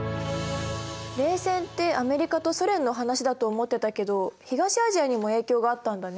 冷戦ってアメリカとソ連の話だと思ってたけど東アジアにも影響があったんだね。